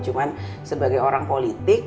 cuma sebagai orang politik